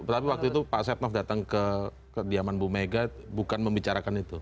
tapi waktu itu pak setnov datang ke kediaman bu mega bukan membicarakan itu